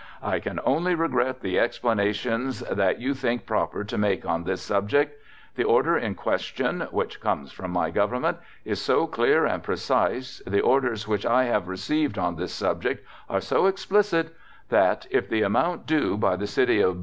"I can only regret the explanations that you think proper to make on this subject. The order in question (which comes from my Government) is so clear and precise, the orders which I have received (on this subject) are so explicit, that, _if the amount due by the City of B.........